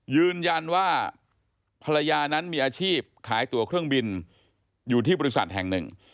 ยืนยันว่าภรรยานั้นมีอาชีพขายตัวเครื่องบินอยู่ที่บริษัทแห่งหนึ่ง